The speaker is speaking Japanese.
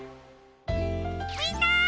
みんな！